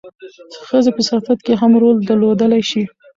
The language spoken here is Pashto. ښځې په سیاست کې هم رول درلودلی شي.